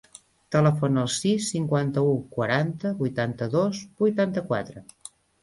Telefona al sis, cinquanta-u, quaranta, vuitanta-dos, vuitanta-quatre.